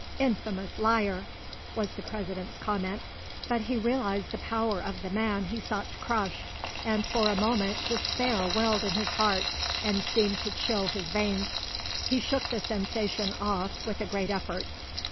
"Infamous liar!" was the President's comment; but he realised the power of the man he sought to crush, and for a moment despair welled in his heart and seemed to chill his veins. He shook the sensation off with a great effort.